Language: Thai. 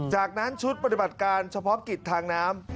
จากนั้นชุดปฏิบัติการเฉพาะกิจทางน้ำ